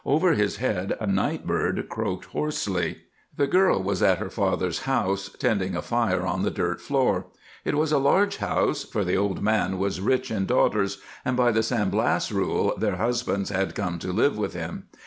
Over his head a night bird croaked hoarsely. The girl was at her father's house, tending a fire on the dirt floor. It was a large house, for the old man was rich in daughters, and, by the San Blas rule, their husbands had come to live with him.